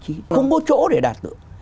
không tìm được vị trí không có chỗ để đặt tượng